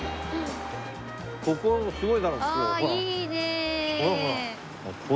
ここすごいだろここ。